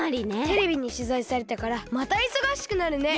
テレビにしゅざいされたからまたいそがしくなるね。